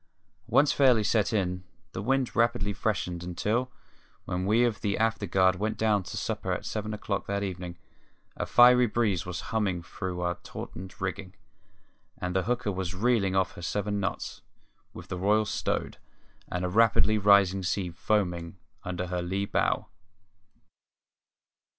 Once fairly set in, the wind rapidly freshened until, when we of the afterguard went down to supper at seven o'clock that evening, a fiery breeze was humming through our tautened rigging, and the hooker was reeling off her seven knots, with the royal stowed, and a rapidly rising sea foaming under her lee bow.